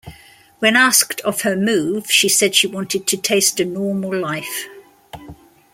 When asked of her move, she said she wanted to taste a normal life.